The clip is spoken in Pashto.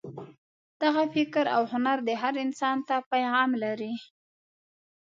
دغه فکر او هنر هر انسان ته پیغام لري.